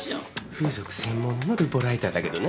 風俗専門のルポライターだけどね。